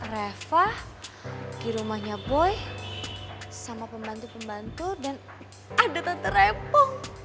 reva di rumahnya boy sama pembantu pembantu dan ada tetap repo